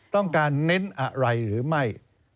ต้องการเน้นอะไรหรือไม่